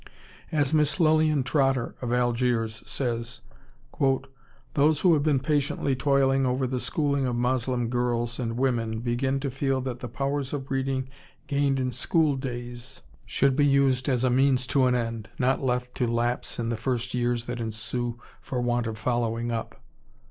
As Miss Lilian Trotter of Algiers says, "Those who have been patiently toiling over the schooling of Moslem girls and women begin to feel that the powers of reading gained in school days should be used as a means to an end, not left to lapse in the first years that ensue for want of following up.